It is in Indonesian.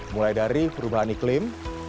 mulai dari perubahan iklim